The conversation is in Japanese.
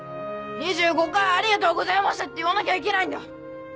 ２５回「ありがとうございました」って言わなきゃいけないんだ。